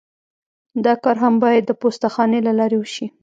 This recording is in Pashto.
دا کار هم باید د پوسته خانې له لارې وشي